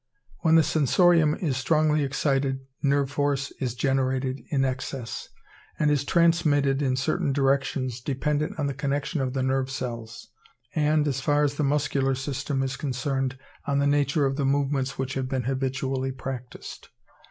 When the sensorium is strongly excited nerve force is generated in excess, and is transmitted in certain directions, dependent on the connection of the nerve cells, and, as far as the muscular system is concerned, on the nature of the movements which have been habitually practised.